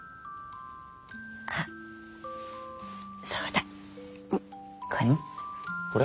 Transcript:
あっそうだこれ。